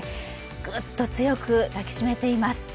ぐっと強く抱きしめています。